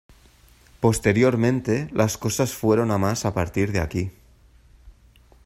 Posteriormente, las cosas fueron a más a partir de aquí.